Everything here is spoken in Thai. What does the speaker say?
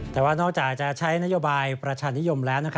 แต่ว่านอกจากจะใช้นโยบายประชานิยมแล้ว